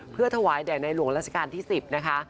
เพื่อถวายแด่ในหลวงราชการที่๑๐นะคะ